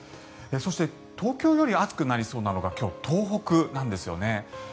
そして東京より暑くなりそうなのが東北なんです。